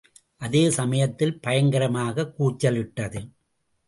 அதே சமயத்தில் பயங்கரமாகக் கூச்சலிட்டது.